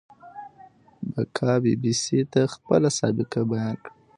بکا بي بي سي ته خپله سابقه بيان کړه.